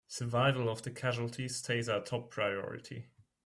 Survival of the casualties stays our top priority!